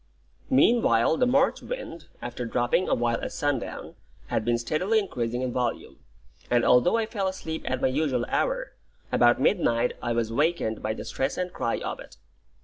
Meanwhile the March wind, after dropping a while at sundown, had been steadily increasing in volume; and although I fell asleep at my usual hour, about midnight I was wakened by the stress and cry of it.